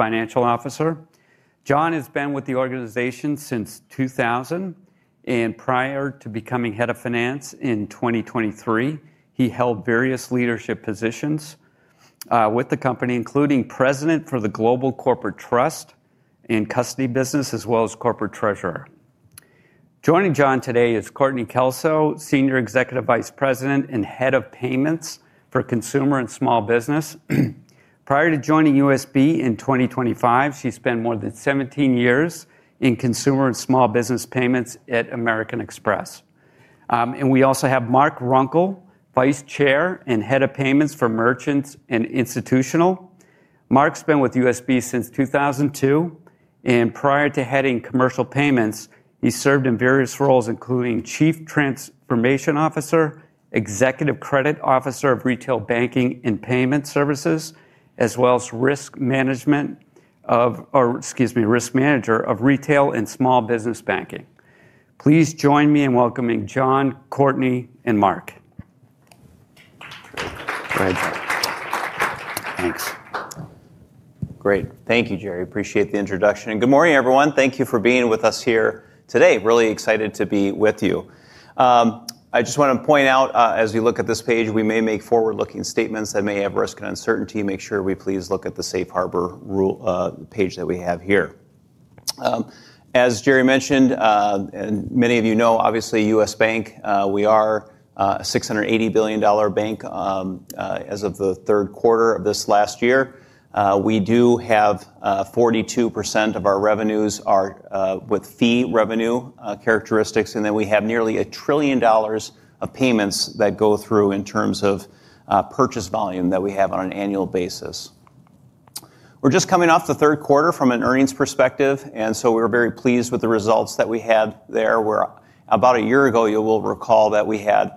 Financial Officer. John has been with the organization since 2000, and prior to becoming Head of Finance in 2023, he held various leadership positions with the company, including President for the Global Corporate Trust and Custody Business, as well as Corporate Treasurer. Joining John today is Courtney Kelso, Senior Executive Vice President and Head of Payments for Consumer and Small Business. Prior to joining U.S. Bank in 2025, she spent more than 17 years in Consumer and Small Business Payments at American Express. We also have Mark Runkel, Vice Chair and Head of Payments for Merchants and Institutional. Mark's been with U.S. Bank since 2002, and prior to heading Commercial Payments, he served in various roles, including Chief Transformation Officer, Executive Credit Officer of Retail Banking and Payment Services, as well as Risk Manager of Retail and Small Business Banking. Please join me in welcoming John, Courtney, and Mark. Thanks. Great. Thank you, Jerry. Appreciate the introduction. Good morning, everyone. Thank you for being with us here today. Really excited to be with you. I just want to point out, as you look at this page, we may make forward-looking statements that may have risk and uncertainty. Make sure we please look at the Safe Harbor page that we have here. As Jerry mentioned, and many of you know, obviously, U.S. Bank, we are a $680 billion bank as of the third quarter of this last year. We do have 42% of our revenues are with fee revenue characteristics, and then we have nearly a trillion dollars of payments that go through in terms of purchase volume that we have on an annual basis. We're just coming off the third quarter from an earnings perspective, and we are very pleased with the results that we had there. About a year ago, you will recall that we had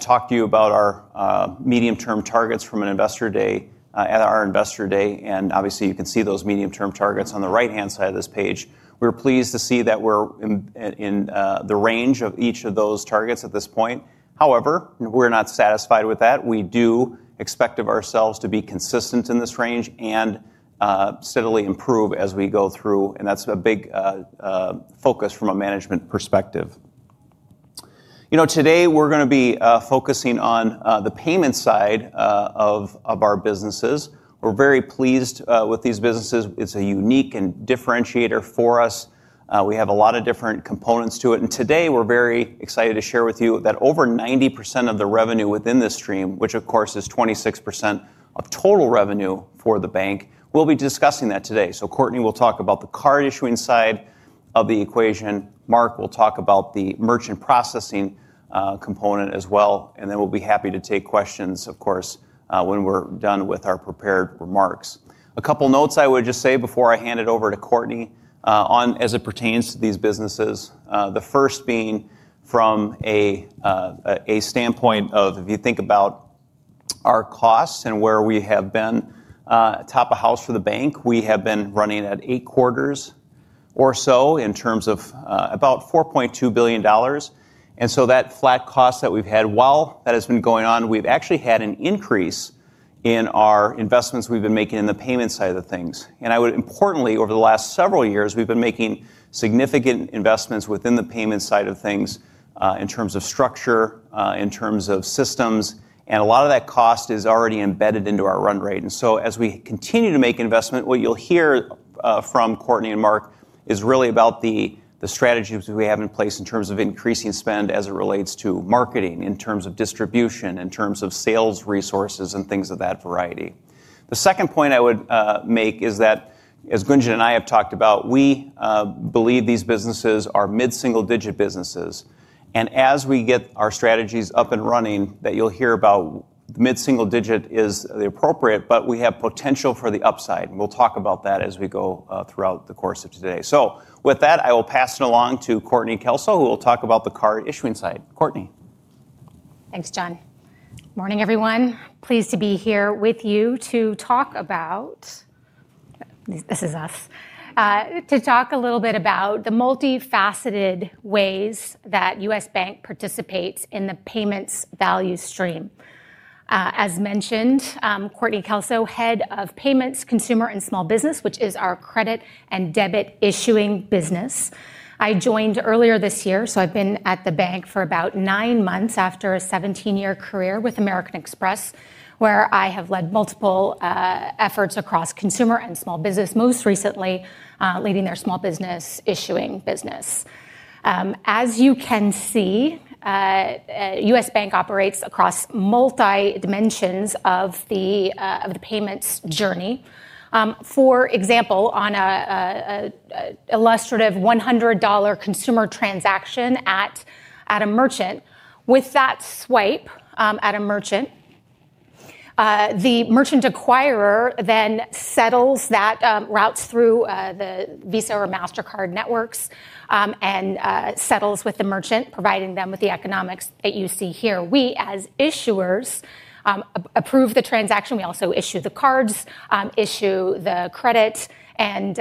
talked to you about our medium-term targets from an Investor Day at our Investor Day, and obviously, you can see those medium-term targets on the right-hand side of this page. We're pleased to see that we're in the range of each of those targets at this point. However, we're not satisfied with that. We do expect of ourselves to be consistent in this range and steadily improve as we go through, and that's a big focus from a management perspective. You know, today we're going to be focusing on the payment side of our businesses. We're very pleased with these businesses. It's a unique and differentiator for us. We have a lot of different components to it, and today we're very excited to share with you that over 90% of the revenue within this stream, which of course is 26% of total revenue for the bank, we'll be discussing that today. Courtney will talk about the card issuing side of the equation. Mark will talk about the merchant processing component as well, and then we'll be happy to take questions, of course, when we're done with our prepared remarks. A couple of notes I would just say before I hand it over to Courtney on as it pertains to these businesses, the first being from a standpoint of if you think about our costs and where we have been, top of house for the bank, we have been running at eight quarters or so in terms of about $4.2 billion. That flat cost that we've had while that has been going on, we've actually had an increase in our investments we've been making in the payment side of things. I would importantly, over the last several years, we've been making significant investments within the payment side of things in terms of structure, in terms of systems, and a lot of that cost is already embedded into our run rate. As we continue to make investment, what you'll hear from Courtney and Mark is really about the strategies we have in place in terms of increasing spend as it relates to marketing, in terms of distribution, in terms of sales resources, and things of that variety. The second point I would make is that, as Gunjan and I have talked about, we believe these businesses are mid-single-digit businesses. As we get our strategies up and running, that you'll hear about, mid-single digit is the appropriate, but we have potential for the upside. We'll talk about that as we go throughout the course of today. With that, I will pass it along to Courtney Kelso, who will talk about the card issuing side. Courtney. Thanks, John. Morning, everyone. Pleased to be here with you to talk about, this is us, to talk a little bit about the multifaceted ways that U.S. Bank participates in the payments value stream. As mentioned, Courtney Kelso, Head of Payments, Consumer and Small Business, which is our credit and debit issuing business. I joined earlier this year, so I've been at the bank for about nine months after a 17-year career with American Express, where I have led multiple efforts across consumer and small business, most recently leading their small business issuing business. As you can see, U.S. Bank operates across multi-dimensions of the payments journey. For example, on an illustrative $100 consumer transaction at a merchant, with that swipe at a merchant, the merchant acquirer then settles that route through the Visa or Mastercard networks and settles with the merchant, providing them with the economics that you see here. We, as issuers, approve the transaction. We also issue the cards, issue the credit, and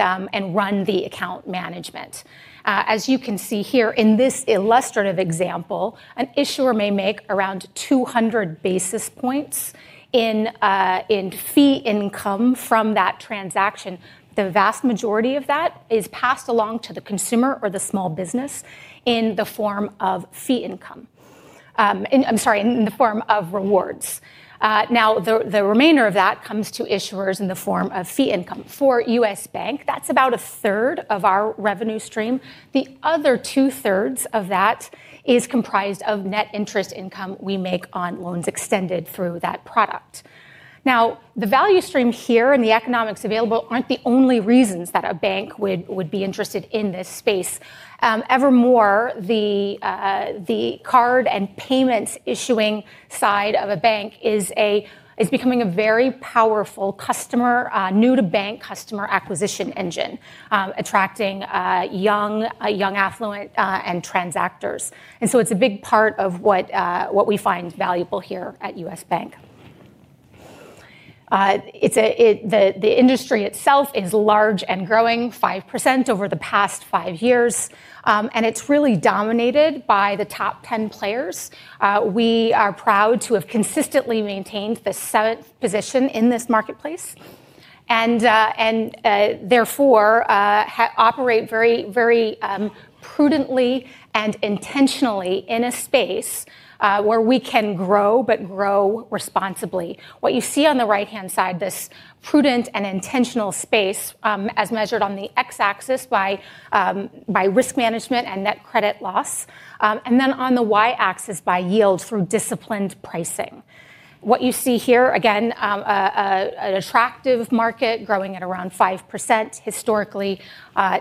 run the account management. As you can see here in this illustrative example, an issuer may make around 200 basis points in fee income from that transaction. The vast majority of that is passed along to the consumer or the small business in the form of rewards. Now, the remainder of that comes to issuers in the form of fee income. For U.S. Bank, that's about a third of our revenue stream. The other two-thirds of that is comprised of net interest income we make on loans extended through that product. Now, the value stream here and the economics available are not the only reasons that a bank would be interested in this space. Ever more, the card and payments issuing side of a bank is becoming a very powerful customer, new-to-bank customer acquisition engine, attracting young, affluent transactors. It is a big part of what we find valuable here at U.S. Bank. The industry itself is large and growing, 5% over the past five years, and it is really dominated by the top 10 players. We are proud to have consistently maintained the seventh position in this marketplace and therefore operate very prudently and intentionally in a space where we can grow, but grow responsibly. What you see on the right-hand side, this prudent and intentional space as measured on the x-axis by risk management and net credit loss, and then on the y-axis by yields through disciplined pricing. What you see here, again, an attractive market growing at around 5% historically,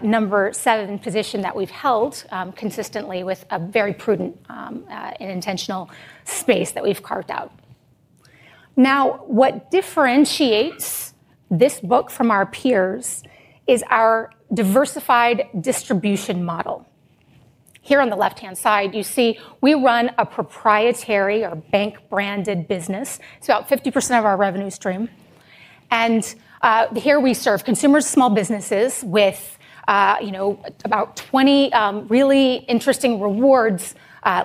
number seven position that we've held consistently with a very prudent and intentional space that we've carved out. Now, what differentiates this book from our peers is our diversified distribution model. Here on the left-hand side, you see we run a proprietary or bank-branded business. It's about 50% of our revenue stream. Here we serve consumers, small businesses with about 20 really interesting rewards,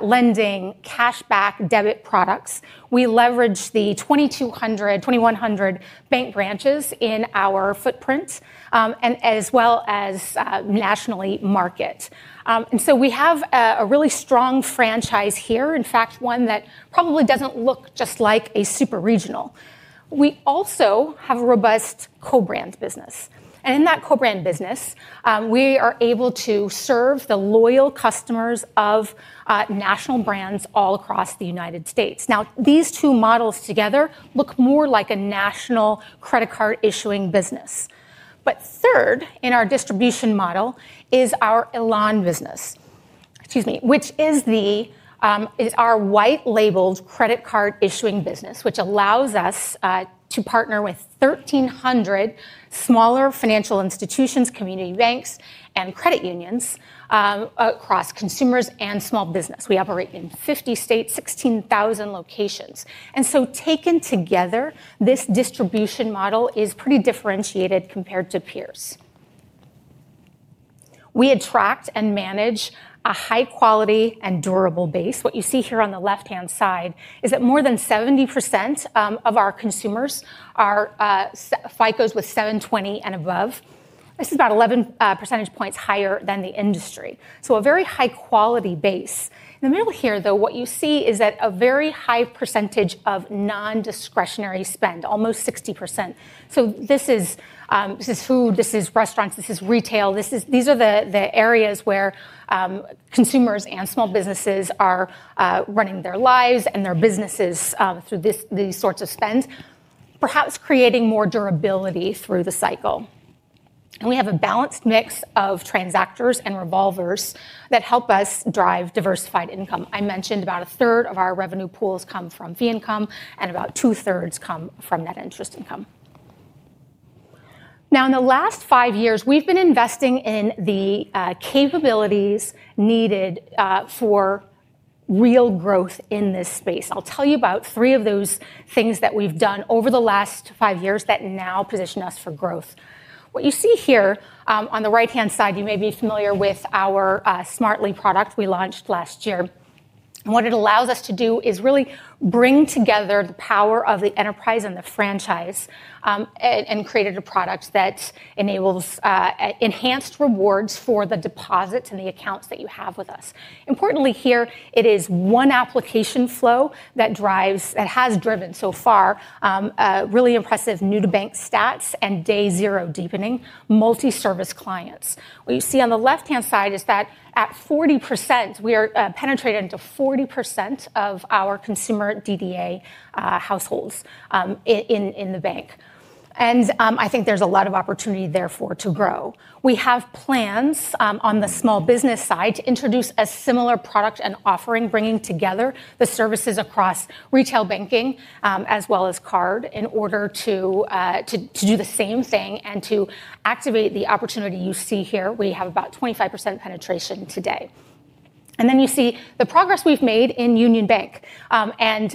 lending, cashback, debit products. We leverage the 2,200, 2,100 bank branches in our footprint, as well as nationally market. We have a really strong franchise here, in fact, one that probably does not look just like a super regional. We also have a robust co-brand business. In that co-brand business, we are able to serve the loyal customers of national brands all across the United States. These two models together look more like a national credit card issuing business. Third in our distribution model is our Elan business, excuse me, which is our white-labeled credit card issuing business, which allows us to partner with 1,300 smaller financial institutions, community banks, and credit unions across consumers and small business. We operate in 50 states, 16,000 locations. Taken together, this distribution model is pretty differentiated compared to peers. We attract and manage a high-quality and durable base. What you see here on the left-hand side is that more than 70% of our consumers are FICOs with 720 and above. This is about 11 percentage points higher than the industry. So a very high-quality base. In the middle here, though, what you see is that a very high percentage of non-discretionary spend, almost 60%. This is food, this is restaurants, this is retail. These are the areas where consumers and small businesses are running their lives and their businesses through these sorts of spend, perhaps creating more durability through the cycle. And we have a balanced mix of transactors and revolvers that help us drive diversified income. I mentioned about a third of our revenue pools come from fee income and about two-thirds come from net interest income. Now, in the last five years, we've been investing in the capabilities needed for real growth in this space. I'll tell you about three of those things that we've done over the last five years that now position us for growth. What you see here on the right-hand side, you may be familiar with our Smartly product we launched last year. What it allows us to do is really bring together the power of the enterprise and the franchise and created a product that enables enhanced rewards for the deposits and the accounts that you have with us. Importantly here, it is one application flow that has driven so far really impressive new-to-bank stats and day zero deepening multi-service clients. What you see on the left-hand side is that at 40%, we are penetrating to 40% of our consumer DDA households in the bank. I think there's a lot of opportunity therefore to grow. We have plans on the small business side to introduce a similar product and offering, bringing together the services across retail banking as well as card in order to do the same thing and to activate the opportunity you see here. We have about 25% penetration today. You see the progress we've made in Union Bank and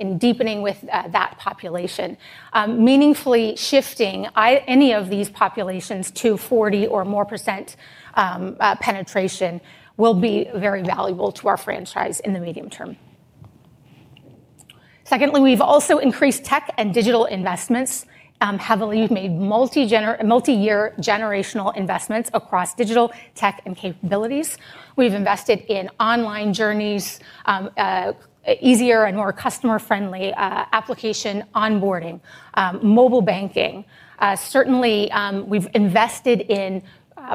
in deepening with that population. Meaningfully shifting any of these populations to 40% or more penetration will be very valuable to our franchise in the medium term. Secondly, we've also increased tech and digital investments heavily. We've made multi-year generational investments across digital tech and capabilities. We've invested in online journeys, easier and more customer-friendly application onboarding, mobile banking. Certainly, we've invested in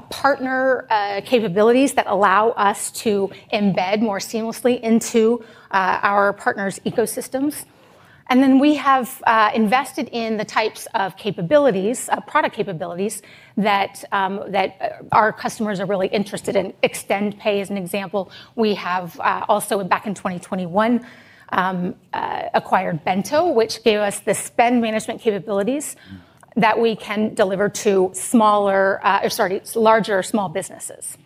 partner capabilities that allow us to embed more seamlessly into our partners' ecosystems. We have invested in the types of product capabilities that our customers are really interested in. ExtendPay, as an example, we have also back in 2021 acquired Bento, which gave us the spend management capabilities that we can deliver to larger small businesses.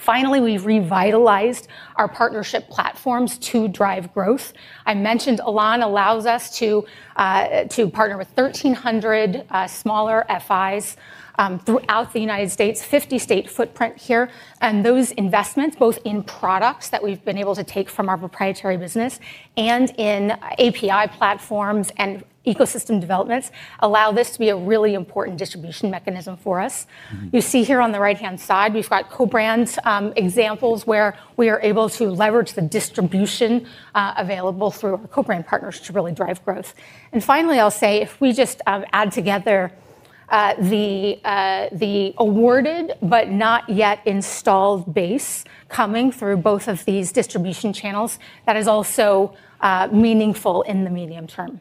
Finally, we have revitalized our partnership platforms to drive growth. I mentioned Elan allows us to partner with 1,300 smaller FIs throughout the United States, 50-state footprint here. Those investments, both in products that we have been able to take from our proprietary business and in API platforms and ecosystem developments, allow this to be a really important distribution mechanism for us. You see here on the right-hand side, we have co-brand examples where we are able to leverage the distribution available through our co-brand partners to really drive growth. Finally, I'll say if we just add together the awarded but not yet installed base coming through both of these distribution channels, that is also meaningful in the medium term.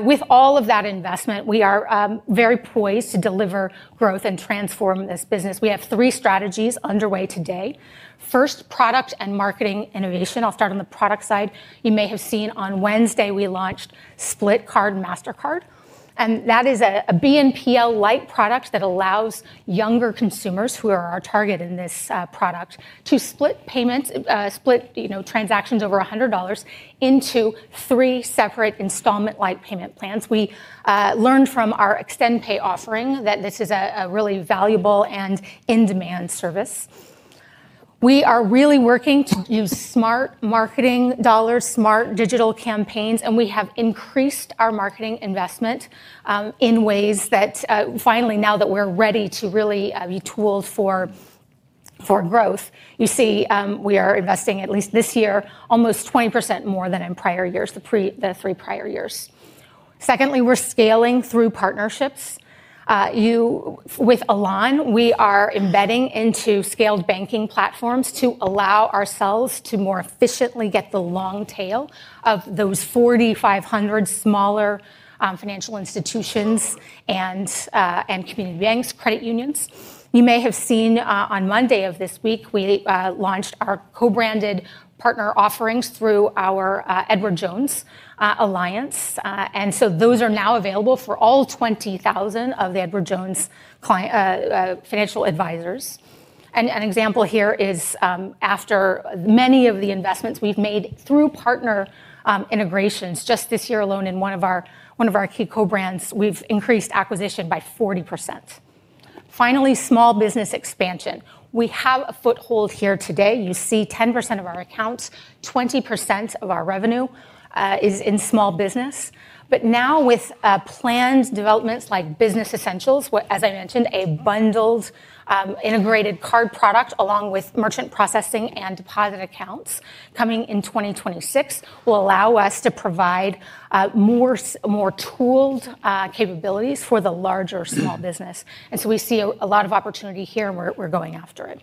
With all of that investment, we are very poised to deliver growth and transform this business. We have three strategies underway today. First, product and marketing innovation. I'll start on the product side. You may have seen on Wednesday we launched Split Card Mastercard. That is a BNPL Lite product that allows younger consumers who are our target in this product to split transactions over $100 into three separate installment Lite payment plans. We learned from our ExtendPay offering that this is a really valuable and in-demand service. We are really working to use smart marketing dollars, smart digital campaigns, and we have increased our marketing investment in ways that finally, now that we're ready to really be tooled for growth, you see we are investing at least this year almost 20% more than in prior years, the three prior years. Secondly, we're scaling through partnerships. With Elan, we are embedding into scaled banking platforms to allow ourselves to more efficiently get the long tail of those 4,500 smaller financial institutions and community banks, credit unions. You may have seen on Monday of this week, we launched our co-branded partner offerings through our Edward Jones Alliance. Those are now available for all 20,000 of the Edward Jones financial advisors. An example here is after many of the investments we've made through partner integrations, just this year alone in one of our key co-brands, we've increased acquisition by 40%. Finally, small business expansion. We have a foothold here today. You see 10% of our accounts, 20% of our revenue is in small business. Now with planned developments like Business Essentials, as I mentioned, a bundled integrated card product along with merchant processing and deposit accounts coming in 2026 will allow us to provide more tooled capabilities for the larger small business. We see a lot of opportunity here and we're going after it.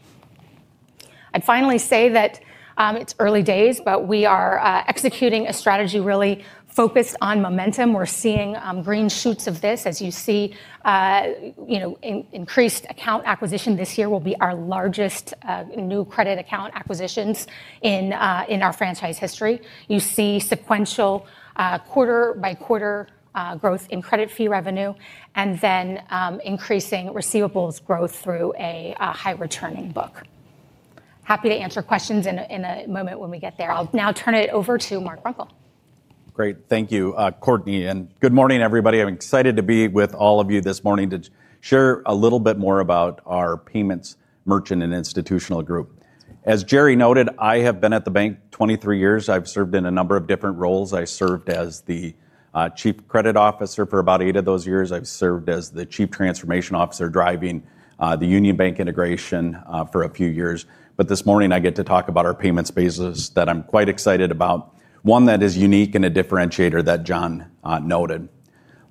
I'd finally say that it's early days, but we are executing a strategy really focused on momentum. We're seeing green shoots of this. As you see, increased account acquisition this year will be our largest new credit account acquisitions in our franchise history. You see sequential quarter-by-quarter growth in credit fee revenue and then increasing receivables growth through a high-returning book. Happy to answer questions in a moment when we get there. I'll now turn it over to Mark Runkel. Great. Thank you, Courtney. Good morning, everybody. I'm excited to be with all of you this morning to share a little bit more about our payments merchant and institutional group. As Jerry noted, I have been at the bank 23 years. I've served in a number of different roles. I served as the Chief Credit Officer for about eight of those years. I've served as the Chief Transformation Officer driving the Union Bank integration for a few years. This morning, I get to talk about our payments basis that I'm quite excited about, one that is unique and a differentiator that John noted.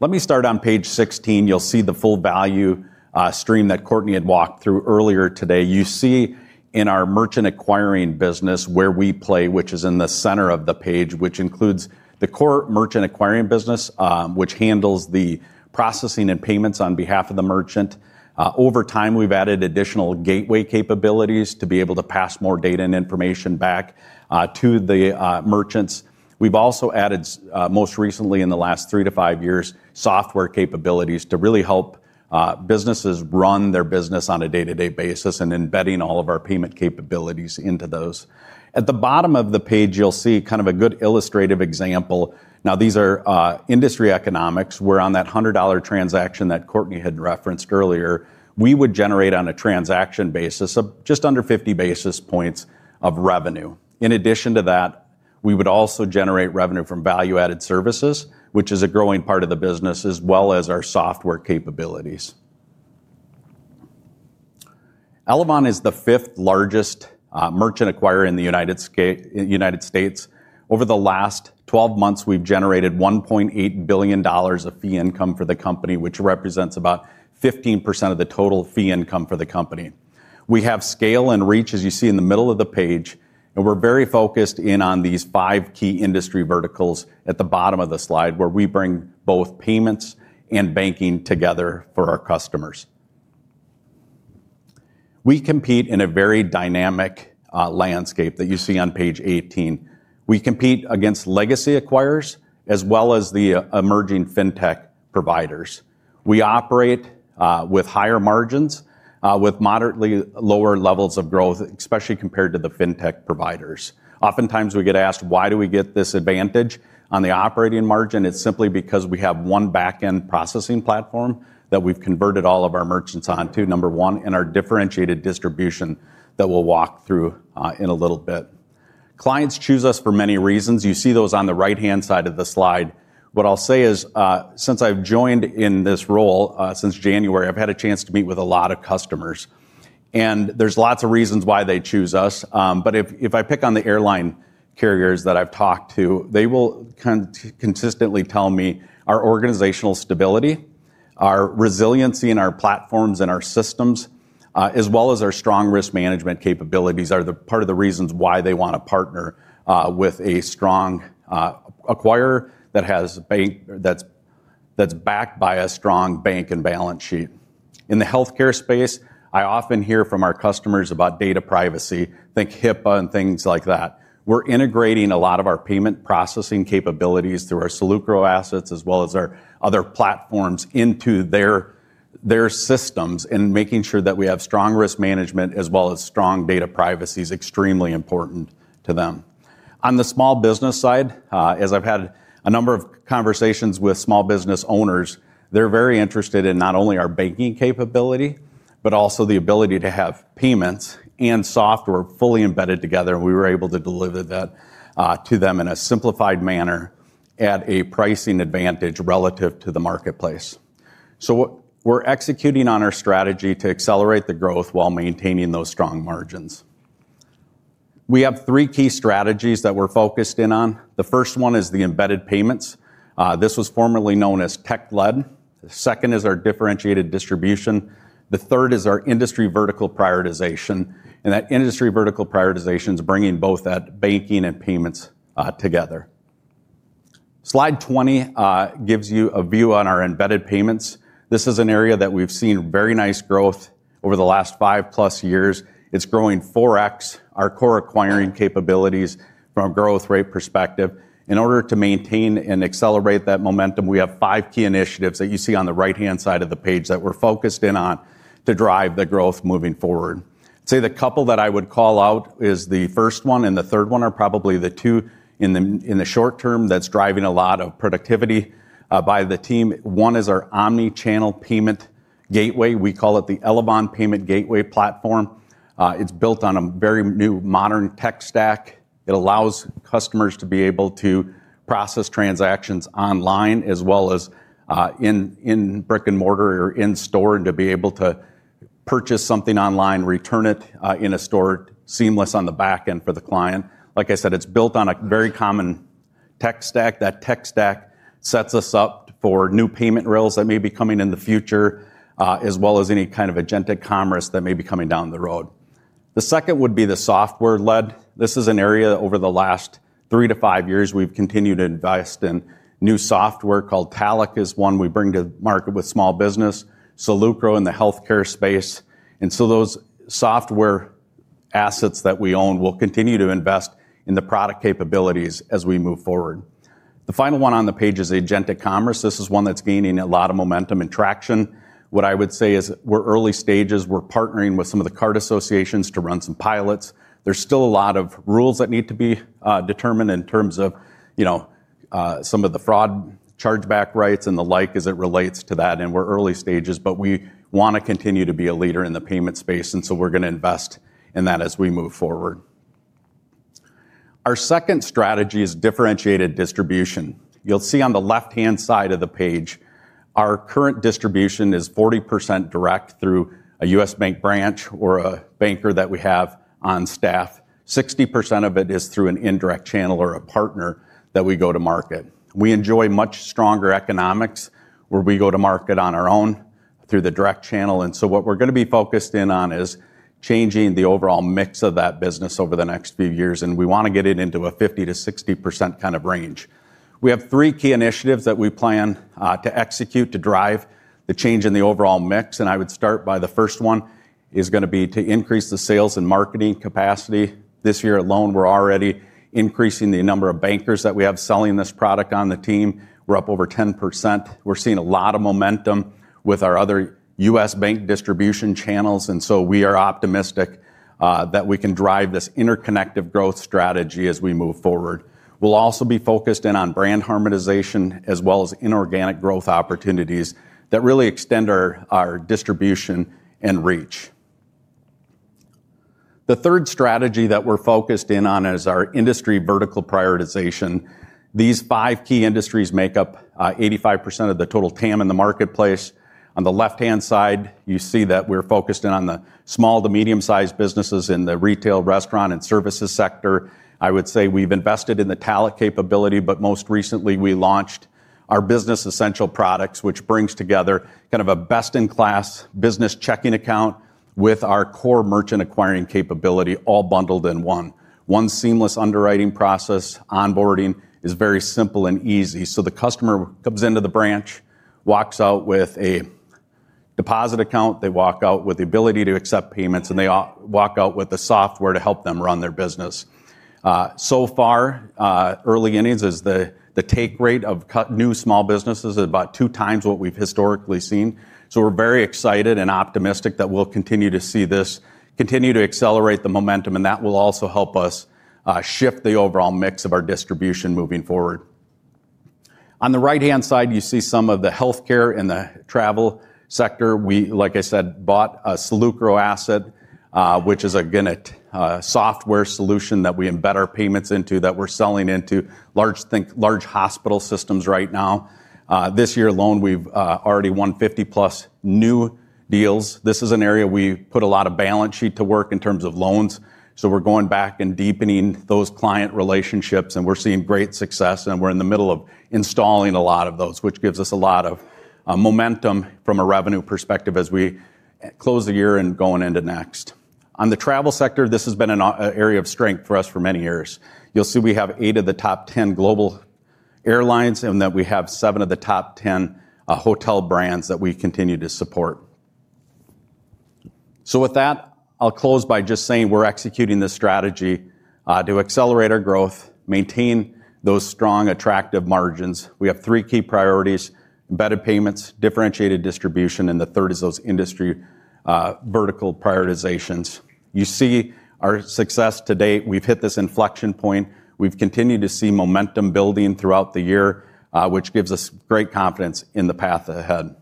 Let me start on page 16. You'll see the full value stream that Courtney had walked through earlier today. You see in our merchant acquiring business where we play, which is in the center of the page, which includes the core merchant acquiring business, which handles the processing and payments on behalf of the merchant. Over time, we've added additional gateway capabilities to be able to pass more data and information back to the merchants. We've also added, most recently in the last three to five years, software capabilities to really help businesses run their business on a day-to-day basis and embedding all of our payment capabilities into those. At the bottom of the page, you'll see kind of a good illustrative example. Now, these are industry economics. We're on that $100 transaction that Courtney had referenced earlier. We would generate on a transaction basis of just under 50 basis points of revenue. In addition to that, we would also generate revenue from value-added services, which is a growing part of the business, as well as our software capabilities. Elavon is the fifth largest merchant acquirer in the United States. Over the last 12 months, we've generated $1.8 billion of fee income for the company, which represents about 15% of the total fee income for the company. We have scale and reach, as you see in the middle of the page. We are very focused in on these five key industry verticals at the bottom of the slide where we bring both payments and banking together for our customers. We compete in a very dynamic landscape that you see on page 18. We compete against legacy acquirers as well as the emerging fintech providers. We operate with higher margins with moderately lower levels of growth, especially compared to the fintech providers. Oftentimes, we get asked, why do we get this advantage on the operating margin? It's simply because we have one back-end processing platform that we've converted all of our merchants onto, number one, and our differentiated distribution that we'll walk through in a little bit. Clients choose us for many reasons. You see those on the right-hand side of the slide. What I'll say is, since I've joined in this role since January, I've had a chance to meet with a lot of customers. There's lots of reasons why they choose us. If I pick on the airline carriers that I've talked to, they will consistently tell me our organizational stability, our resiliency in our platforms and our systems, as well as our strong risk management capabilities are part of the reasons why they want to partner with a strong acquirer that's backed by a strong bank and balance sheet. In the healthcare space, I often hear from our customers about data privacy, think HIPAA and things like that. We're integrating a lot of our payment processing capabilities through our Seleucro assets as well as our other platforms into their systems and making sure that we have strong risk management as well as strong data privacy is extremely important to them. On the small business side, as I've had a number of conversations with small business owners, they're very interested in not only our banking capability, but also the ability to have payments and software fully embedded together. We were able to deliver that to them in a simplified manner at a pricing advantage relative to the marketplace. We're executing on our strategy to accelerate the growth while maintaining those strong margins. We have three key strategies that we're focused in on. The first one is the embedded payments. This was formerly known as tech-led. The second is our differentiated distribution. The third is our industry vertical prioritization. That industry vertical prioritization is bringing both that banking and payments together. Slide 20 gives you a view on our embedded payments. This is an area that we've seen very nice growth over the last 5+ years. It's growing 4X our core acquiring capabilities from a growth rate perspective. In order to maintain and accelerate that momentum, we have five key initiatives that you see on the right-hand side of the page that we're focused in on to drive the growth moving forward. I'd say the couple that I would call out is the first one, and the third one are probably the two in the short term that's driving a lot of productivity by the team. One is our omnichannel payment gateway. We call it the Elavon Payment Gateway platform. It's built on a very new modern tech stack. It allows customers to be able to process transactions online as well as in brick and mortar or in store and to be able to purchase something online, return it in a store, seamless on the back end for the client. Like I said, it's built on a very common tech stack. That tech stack sets us up for new payment rails that may be coming in the future as well as any kind of agentic commerce that may be coming down the road. The second would be the software-led. This is an area over the last three to five years we've continued to invest in new software called Taloc is one we bring to market with small business, Seleucro in the healthcare space. And so those software assets that we own will continue to invest in the product capabilities as we move forward. The final one on the page is agentic commerce. This is one that's gaining a lot of momentum and traction. What I would say is we're early stages. We're partnering with some of the card associations to run some pilots. is still a lot of rules that need to be determined in terms of some of the fraud chargeback rights and the like as it relates to that. We are early stages, but we want to continue to be a leader in the payment space. We are going to invest in that as we move forward. Our second strategy is differentiated distribution. You will see on the left-hand side of the page, our current distribution is 40% direct through a U.S. Bank branch or a banker that we have on staff. 60% of it is through an indirect channel or a partner that we go to market. We enjoy much stronger economics where we go to market on our own through the direct channel. What we are going to be focused in on is changing the overall mix of that business over the next few years. We want to get it into a 50%-60% kind of range. We have three key initiatives that we plan to execute to drive the change in the overall mix. I would start by the first one is going to be to increase the sales and marketing capacity. This year alone, we're already increasing the number of bankers that we have selling this product on the team. We're up over 10%. We're seeing a lot of momentum with our other U.S. Bank distribution channels. We are optimistic that we can drive this interconnective growth strategy as we move forward. We'll also be focused in on brand harmonization as well as inorganic growth opportunities that really extend our distribution and reach. The third strategy that we're focused in on is our industry vertical prioritization. These five key industries make up 85% of the total TAM in the marketplace. On the left-hand side, you see that we're focused in on the small to medium-sized businesses in the retail, restaurant, and services sector. I would say we've invested in the Taloc capability, but most recently, we launched our Business Essentials products, which brings together kind of a best-in-class business checking account with our core merchant acquiring capability all bundled in one. One seamless underwriting process onboarding is very simple and easy. The customer comes into the branch, walks out with a deposit account. They walk out with the ability to accept payments, and they walk out with the software to help them run their business. So far, early innings is the take rate of new small businesses is about 2x what we've historically seen. We're very excited and optimistic that we'll continue to see this continue to accelerate the momentum. That will also help us shift the overall mix of our distribution moving forward. On the right-hand side, you see some of the healthcare and the travel sector. We, like I said, bought a Seleucro asset, which is a software solution that we embed our payments into that we're selling into large hospital systems right now. This year alone, we've already won 50-plus new deals. This is an area we put a lot of balance sheet to work in terms of loans. We're going back and deepening those client relationships, and we're seeing great success. We're in the middle of installing a lot of those, which gives us a lot of momentum from a revenue perspective as we close the year and going into next. On the travel sector, this has been an area of strength for us for many years. You'll see we have eight of the top 10 global airlines and that we have seven of the top 10 hotel brands that we continue to support. With that, I'll close by just saying we're executing this strategy to accelerate our growth, maintain those strong, attractive margins. We have three key priorities: embedded payments, differentiated distribution, and the third is those industry vertical prioritizations. You see our success to date. We've hit this inflection point. We've continued to see momentum building throughout the year, which gives us great confidence in the path ahead.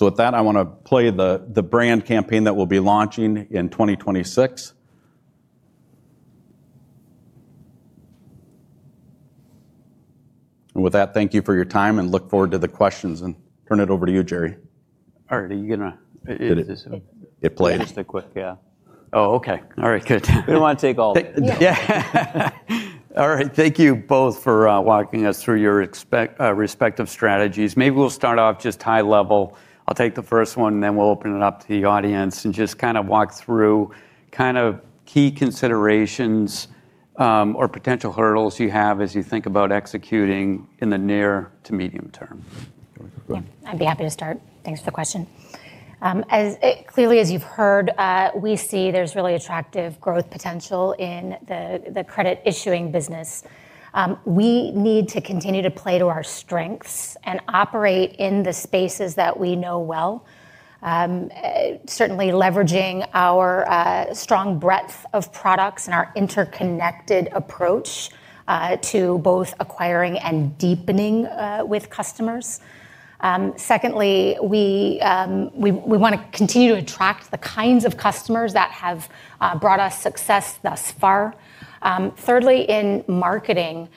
With that, I want to play the brand campaign that we'll be launching in 2026. Thank you for your time and look forward to the questions. I turn it over to you, Jerry. All right. Are you going to—it played. Just a quick—yeah. Oh, okay. All right. Good. We do not want to take all of it. Yeah. All right. Thank you both for walking us through your respective strategies. Maybe we will start off just high level. I will take the first one, and then we will open it up to the audience and just kind of walk through kind of key considerations or potential hurdles you have as you think about executing in the near to medium term. Yeah. I would be happy to start. Thanks for the question. As clearly as you have heard, we see there is really attractive growth potential in the credit issuing business. We need to continue to play to our strengths and operate in the spaces that we know well, certainly leveraging our strong breadth of products and our interconnected approach to both acquiring and deepening with customers. Secondly, we want to continue to attract the kinds of customers that have brought us success thus far. Thirdly, in marketing,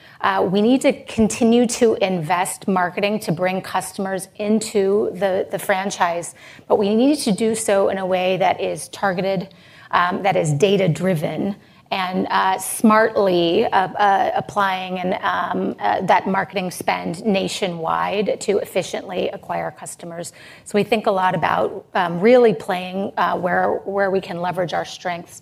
we need to continue to invest in marketing to bring customers into the franchise, but we need to do so in a way that is targeted, that is data-driven, and smartly applying that marketing spend nationwide to efficiently acquire customers. We think a lot about really playing where we can leverage our strengths.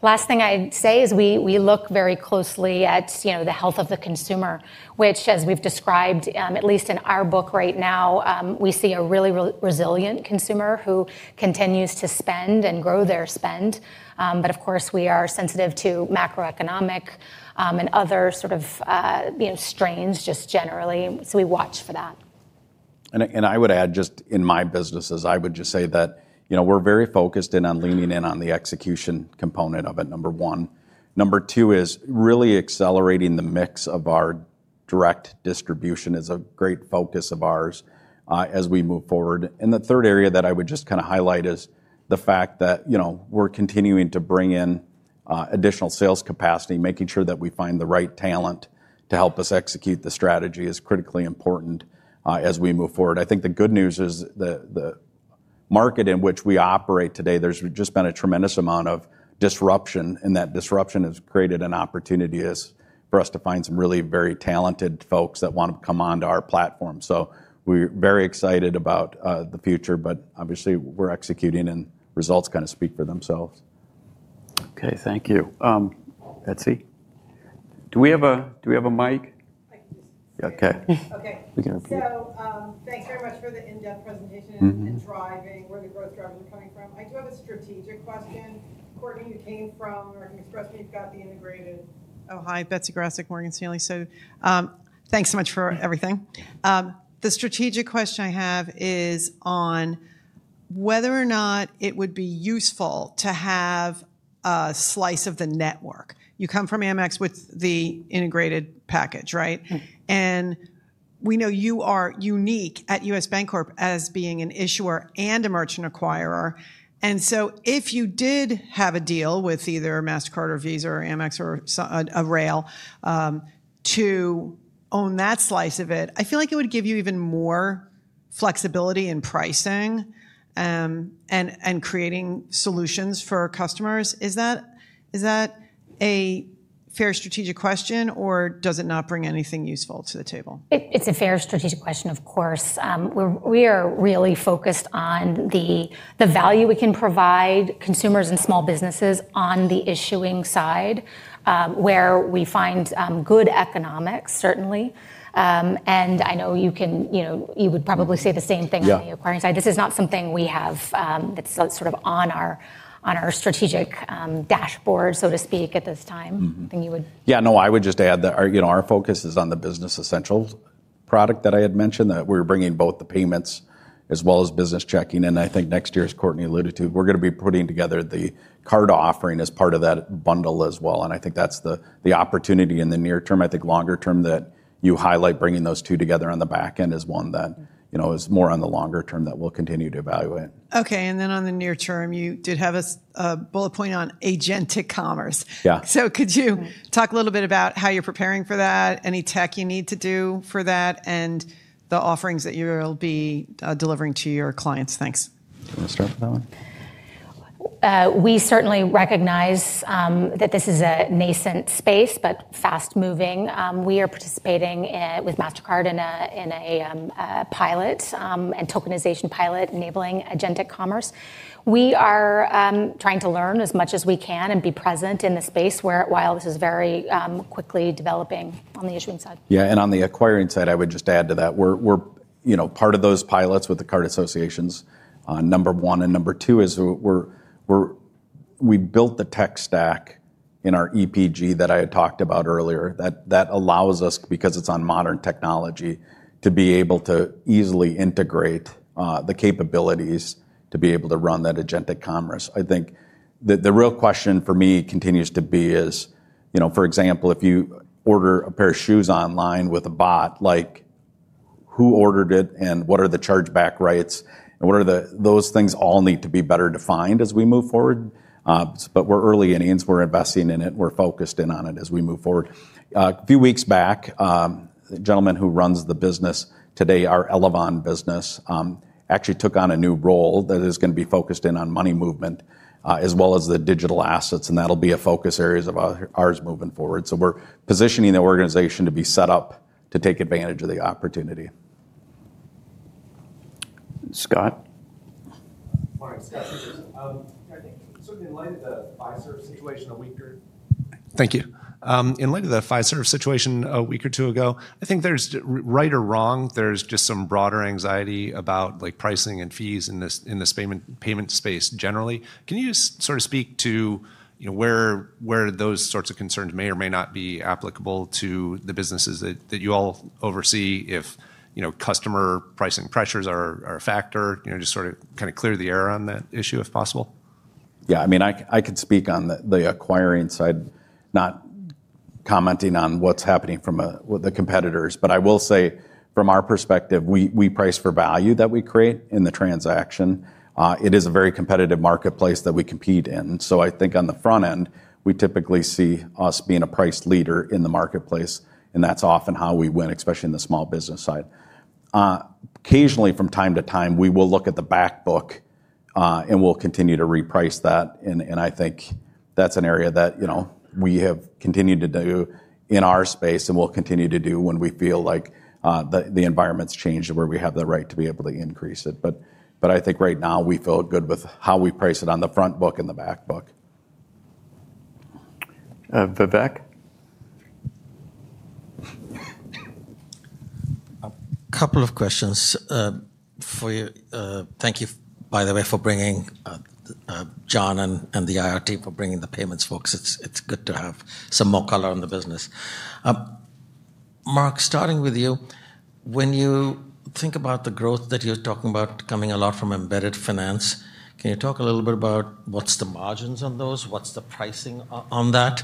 The last thing I'd say is we look very closely at the health of the consumer, which, as we've described, at least in our book right now, we see a really resilient consumer who continues to spend and grow their spend. Of course, we are sensitive to macroeconomic and other sort of strains just generally. We watch for that. I would add, just in my businesses, I would just say that we're very focused in on leaning in on the execution component of it, number one. Number two is really accelerating the mix of our direct distribution is a great focus of ours as we move forward. The third area that I would just kind of highlight is the fact that we're continuing to bring in additional sales capacity, making sure that we find the right talent to help us execute the strategy is critically important as we move forward. I think the good news is the market in which we operate today, there's just been a tremendous amount of disruption, and that disruption has created an opportunity for us to find some really very talented folks that want to come on to our platform. We're very excited about the future, but obviously, we're executing, and results kind of speak for themselves. Thank you. Betsy, do we have a mic? We can repeat. Thanks very much for the in-depth presentation and driving where the growth drivers are coming from. I do have a strategic question. Courtney, you came from American Express, and you've got the integrated. Oh, hi. Betsy Graseck, Morgan Stanley. Thanks so much for everything. The strategic question I have is on whether or not it would be useful to have a slice of the network. You come from Amex with the integrated package, right? We know you are unique at U.S. Bancorp as being an issuer and a merchant acquirer. If you did have a deal with either Mastercard or Visa or AMX or a rail to own that slice of it, I feel like it would give you even more flexibility in pricing and creating solutions for customers. Is that a fair strategic question, or does it not bring anything useful to the table? It's a fair strategic question, of course. We are really focused on the value we can provide consumers and small businesses on the issuing side where we find good economics, certainly. I know you would probably say the same thing on the acquiring side. This is not something we have that's sort of on our strategic dashboard, so to speak, at this time. I think you would. Yeah. No, I would just add that our focus is on the Business Essentials product that I had mentioned that we're bringing both the payments as well as business checking. I think next year, as Courtney alluded to, we're going to be putting together the card offering as part of that bundle as well. I think that's the opportunity in the near term. I think longer term that you highlight bringing those two together on the back end is one that is more on the longer term that we'll continue to evaluate. Okay. On the near term, you did have a bullet point on agentic commerce. Yeah. Could you talk a little bit about how you're preparing for that, any tech you need to do for that, and the offerings that you'll be delivering to your clients? Thanks. Do you want to start with that one? We certainly recognize that this is a nascent space, but fast-moving. We are participating with Mastercard in a pilot and tokenization pilot enabling agentic commerce. We are trying to learn as much as we can and be present in the space while this is very quickly developing on the issuing side. Yeah. On the acquiring side, I would just add to that. We're part of those pilots with the card associations. Number one and number two is we built the tech stack in our EPG that I had talked about earlier that allows us, because it's on modern technology, to be able to easily integrate the capabilities to be able to run that agentic commerce. I think the real question for me continues to be is, for example, if you order a pair of shoes online with a bot, who ordered it, and what are the chargeback rights? Those things all need to be better defined as we move forward. We are early innings. We are investing in it. We are focused in on it as we move forward. A few weeks back, the gentleman who runs the business today, our Elavon business, actually took on a new role that is going to be focused in on money movement as well as the digital assets. That will be a focus area of ours moving forward. We are positioning the organization to be set up to take advantage of the opportunity. Scott. All right. Scott, certainly in light of the Pfizer situation a week or— Thank you. In light of the Pfizer situation a week or two ago, I think there is, right or wrong, just some broader anxiety about pricing and fees in this payment space generally. Can you sort of speak to where those sorts of concerns may or may not be applicable to the businesses that you all oversee if customer pricing pressures are a factor? Just sort of kind of clear the air on that issue if possible. Yeah. I mean, I could speak on the acquiring side, not commenting on what's happening from the competitors. I will say from our perspective, we price for value that we create in the transaction. It is a very competitive marketplace that we compete in. I think on the front end, we typically see us being a price leader in the marketplace. That's often how we win, especially in the small business side. Occasionally, from time to time, we will look at the backbook and we'll continue to reprice that. I think that's an area that we have continued to do in our space and we'll continue to do when we feel like the environment's changed and where we have the right to be able to increase it. I think right now, we feel good with how we price it on the frontbook and the backbook. Vivek? A couple of questions for you. Thank you, by the way, for bringing John and the IRT for bringing the payments folks. It's good to have some more color on the business. Mark, starting with you, when you think about the growth that you're talking about coming a lot from embedded finance, can you talk a little bit about what's the margins on those? What's the pricing on that?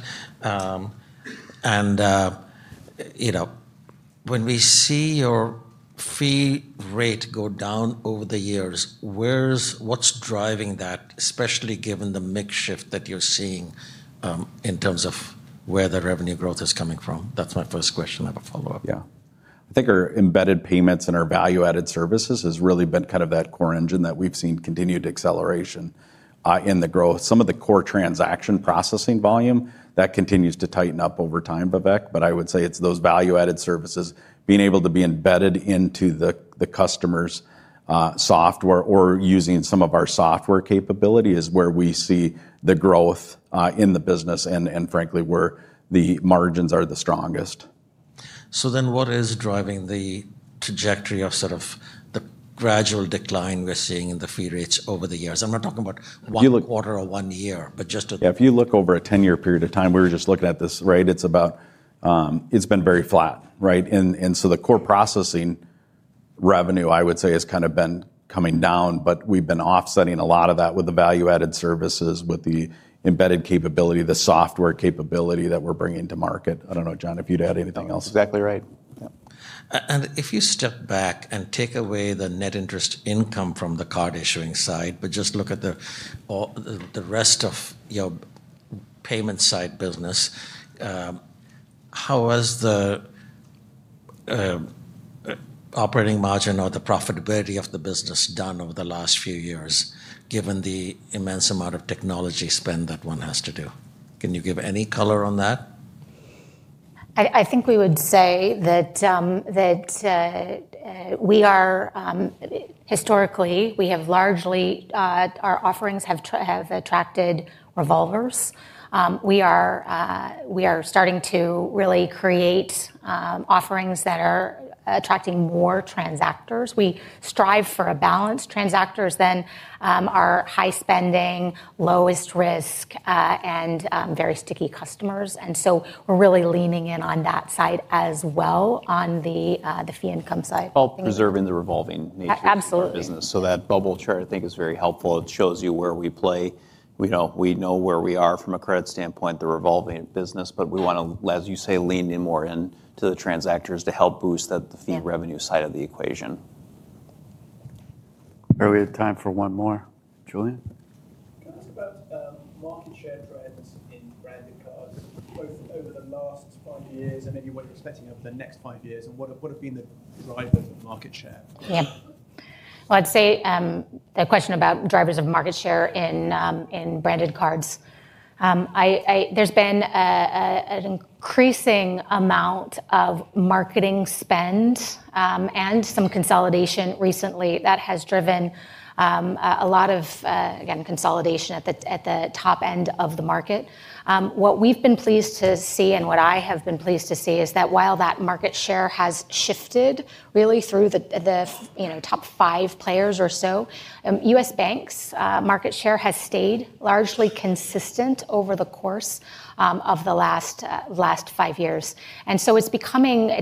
When we see your fee rate go down over the years, what is driving that, especially given the mix shift that you are seeing in terms of where the revenue growth is coming from? That is my first question. I have a follow-up. Yeah. I think our embedded payments and our value-added services have really been kind of that core engine that we have seen continued acceleration in the growth. Some of the core transaction processing volume continues to tighten up over time, Vivek. I would say it is those value-added services, being able to be embedded into the customer's software or using some of our software capability, is where we see the growth in the business and, frankly, where the margins are the strongest. What is driving the trajectory of the gradual decline we are seeing in the fee rates over the years? I'm not talking about one quarter or one year, but just—yeah. If you look over a 10-year period of time, we were just looking at this, right? It's been very flat, right? The core processing revenue, I would say, has kind of been coming down, but we've been offsetting a lot of that with the value-added services, with the embedded capability, the software capability that we're bringing to market. I don't know, John, if you'd add anything else. Exactly right. Yeah. If you step back and take away the net interest income from the card issuing side, but just look at the rest of your payment side business, how has the operating margin or the profitability of the business done over the last few years, given the immense amount of technology spend that one has to do? Can you give any color on that? I think we would say that we are, historically, we have largely—our offerings have attracted revolvers. We are starting to really create offerings that are attracting more transactors. We strive for a balance. Transactors then are high spending, lowest risk, and very sticky customers. We are really leaning in on that side as well on the fee income side. While preserving the revolving nature of the business. That bubble chart, I think, is very helpful. It shows you where we play. We know where we are from a credit standpoint, the revolving business, but we want to, as you say, lean in more into the transactors to help boost the fee revenue side of the equation. Are we at time for one more? Julian? Can I ask about market share trends in branded cards, both over the last five years and maybe what you're expecting over the next five years? What have been the drivers of market share? Yeah. I'd say the question about drivers of market share in branded cards. There's been an increasing amount of marketing spend and some consolidation recently that has driven a lot of, again, consolidation at the top end of the market. What we've been pleased to see and what I have been pleased to see is that while that market share has shifted really through the top five players or so, U.S. Bank's market share has stayed largely consistent over the course of the last five years. It's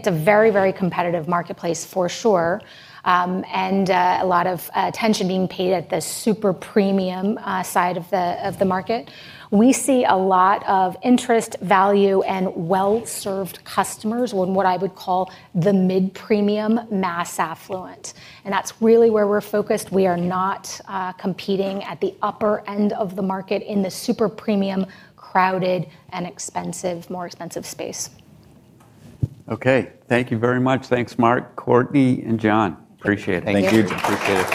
a very, very competitive marketplace for sure, and a lot of attention being paid at the super premium side of the market. We see a lot of interest, value, and well-served customers on what I would call the mid-premium mass affluent. That is really where we are focused. We are not competing at the upper end of the market in the super premium, crowded, and more expensive space. Okay. Thank you very much. Thanks, Mark, Courtney, and John. Appreciate it. Thank you. Appreciate it.